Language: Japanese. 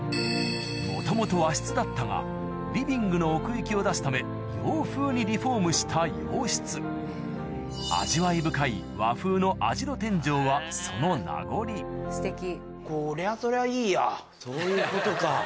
もともと和室だったがリビングの奥行きを出すため洋風にリフォームした洋室味わい深い和風の網代天井はその名残そういうことか。